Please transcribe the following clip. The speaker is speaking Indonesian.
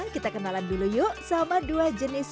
kita kenalan dulu yuk sama dua jenis